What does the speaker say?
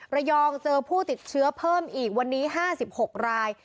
ระยองเจอผู้ติดเชื้อเพิ่มอีกวันนี้ห้าสิบหกราย